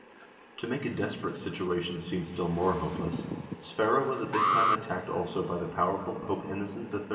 1 To make a desperate situation seem still more hopeless, Sverre was at this time attacked also by the powerful Pope Innocent III.